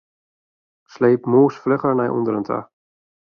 Sleep mûs flugger nei ûnderen ta.